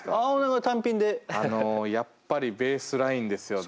あのやっぱりベースラインですよね。